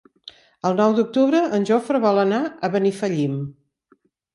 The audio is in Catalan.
El nou d'octubre en Jofre vol anar a Benifallim.